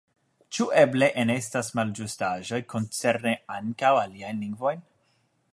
Ĉu eble enestas malĝustaĵoj koncerne ankaŭ aliajn lingvojn?